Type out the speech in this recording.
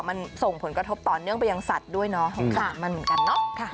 มันส่งผลกระทบต่อเนื่องไปยังสัดด้วยเนาะค่ะ